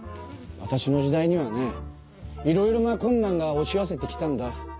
わたしの時代にはねいろいろなこんなんがおし寄せてきたんだ。